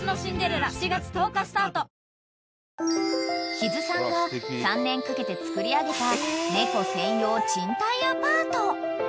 ［木津さんが３年かけて造り上げた猫専用賃貸アパート］